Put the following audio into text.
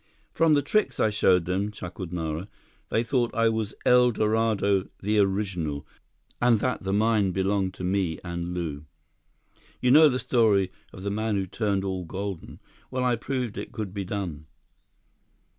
"From the tricks I showed them," chuckled Nara, "they thought I was El Dorado the Original, and that the mine belonged to me and Lew. You know the story of the man who turned all golden? Well, I proved it could be done."